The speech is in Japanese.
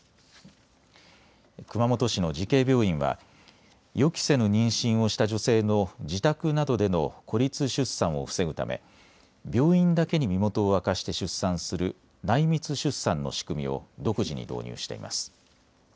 熊本市の慈恵病院は予期せぬ妊娠をした女性の自宅などでの孤立出産を防ぐため病院だけに身元を明かして出産する内密出産の仕組みを独自に導入しています。